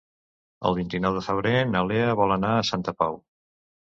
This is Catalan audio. El vint-i-nou de febrer na Lea vol anar a Santa Pau.